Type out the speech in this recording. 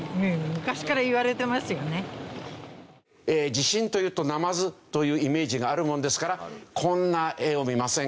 地震というとナマズというイメージがあるものですからこんな絵を見ませんか？